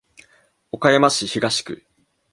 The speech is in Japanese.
岡山市東区